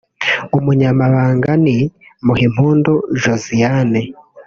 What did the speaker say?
Umunyamabanga ni Muhimpundu Josiane